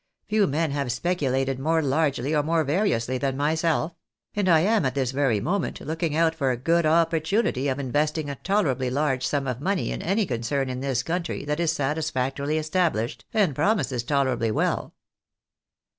Few men have speculated more largely or more variously than myself ; and I am at this very moment looking out for a good opportunity of investing a tolerably large sum of money in any concern in this country that is satisfactorily established, and promises toler ably well."